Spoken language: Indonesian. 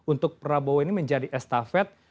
untuk prabowo ini menjadi estafet